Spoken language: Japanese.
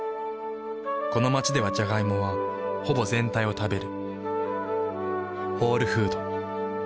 この街ではジャガイモはほぼ全体を食べる。